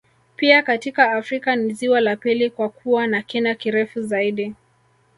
Pia katika Afrika ni ziwa la pili kwa kuwa na kina kirefu zaidi